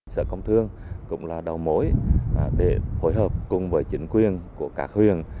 sở công thương cũng là đầu mối để hội hợp cùng với chính quyền của các huyền